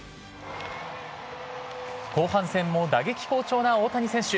後半戦も打撃好調な大谷選手。